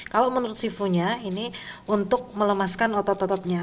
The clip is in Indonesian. kalau menurut sifonya ini untuk melemaskan otot ototnya